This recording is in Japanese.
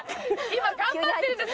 今頑張ってるんです。